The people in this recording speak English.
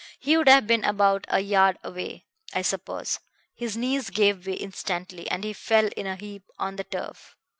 He would have been about a yard away, I suppose. His knees gave way instantly, and he fell in a heap on the turf.